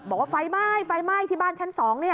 บอกว่าไฟไหม้ที่บ้านชั้น๒